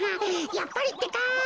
やっぱりってか。